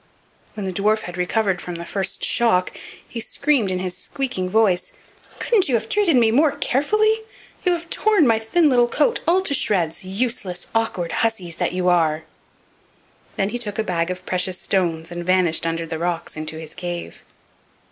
When the dwarf had recovered from the first shock he screamed in his screeching voice: "Couldn't you have treated me more carefully? You have torn my thin little coat all to shreds, useless, awkward hussies that you are!" Then he took a bag of precious stones and vanished under the rocks into his cave.